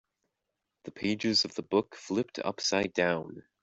The pages of the book flipped upside down.